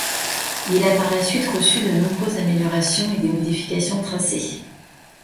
Il a par la suite reçu de nombreuses améliorations et des modifications de tracés.